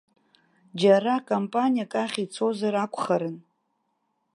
Џьара кампаниак ахь ицозар акәхарын.